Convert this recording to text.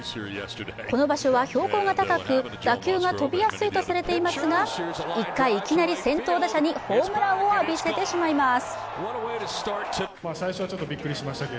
この場所は標高が高く打球が飛びやすいとされていますが１回、いきなり先頭打者にホームランを浴びせてしまいます。